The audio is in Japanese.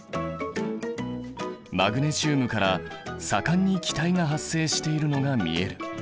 マグネシウムから盛んに気体が発生しているのが見える。